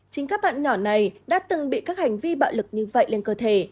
chính các bạn nhỏ này đã từng bị các hành vi bạo lực như vậy lên cơ thể